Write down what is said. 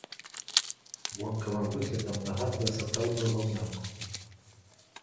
Вонкавым выглядам нагадвае сапраўдную ваўнянку.